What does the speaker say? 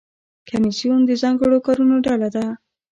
کمیسیون د ځانګړو کارونو ډله ده